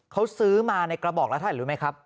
เขาซื้อมาในกระบอกละถ่ายรู้ไหมครับ